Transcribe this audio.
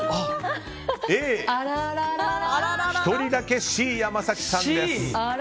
１人だけＣ、山崎さんです。